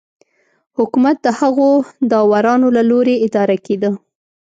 حکومت د هغو داورانو له لوري اداره کېده